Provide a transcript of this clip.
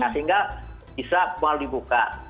sehingga bisa mall dibuka